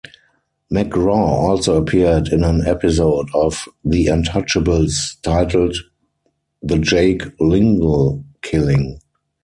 McGraw also appeared in an episode of "The Untouchables" titled "The Jake Lingle Killing".